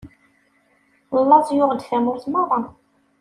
Laẓ yuɣ-d tamurt meṛṛa.